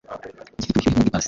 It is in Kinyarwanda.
gifite ubushyuhe nkubw’ipasi